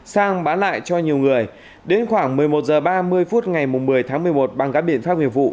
sang bán lại cho nhiều người đến khoảng một mươi một h ba mươi phút ngày một mươi tháng một mươi một bằng các biện pháp nghiệp vụ